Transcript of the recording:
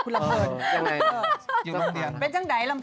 เพราะว่าใจแอบในเจ้า